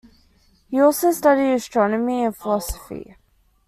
He also studied astronomy and philosophy.